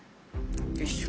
よいしょ。